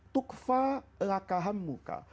tukfa lakaham buka